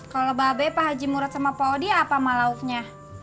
kalo babe pak haji murot sama pak odi apa malauknya